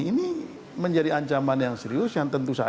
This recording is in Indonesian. ini menjadi ancaman yang serius yang tentu saja